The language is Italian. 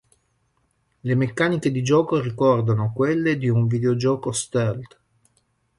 Le meccaniche di gioco ricordano quelle di un videogioco stealth.